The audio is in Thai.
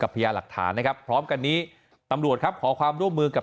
พญาหลักฐานนะครับพร้อมกันนี้ตำรวจครับขอความร่วมมือกับ